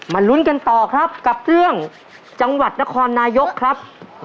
ลุ้นกันต่อครับกับเรื่องจังหวัดนครนายกครับ